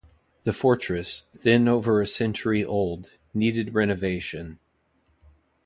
The fortress, then over a century old, needed renovation.